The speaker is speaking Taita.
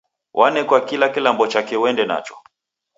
Wanekwa kila kilambo chake uende nacho.